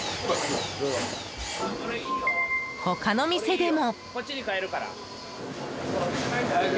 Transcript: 他の店でも。